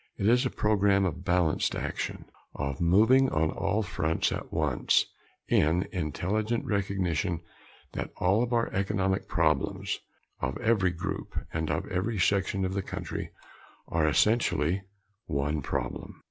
It is a program of balanced action of moving on all fronts at once in intelligent recognition that all of our economic problems, of every group, and of every section of the country are essentially one problem.